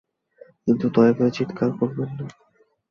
কিন্ত দয়াকরে চিৎকার করবেন না।